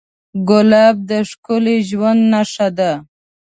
ګلاب د ښکلي ژوند نښه ده.